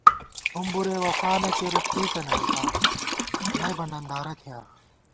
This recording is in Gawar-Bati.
ہُمبُرے وفا نہ کېرُوس څُوئی تنَئیم آں نئ بہ نندارہ تھِیاں